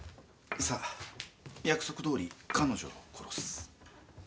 さあ約束どおり彼女を殺す。